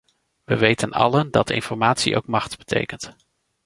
Wij weten allen dat informatie ook macht betekent.